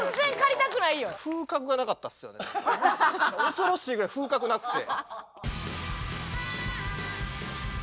恐ろしいぐらい風格なくて。